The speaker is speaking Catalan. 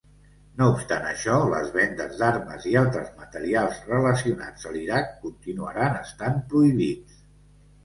No obstant això, les vendes d'armes i altres materials relacionats a l'Iraq continuaran estant prohibits.